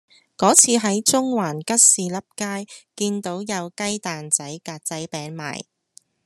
嗰次喺中環吉士笠街見到有雞蛋仔格仔餅賣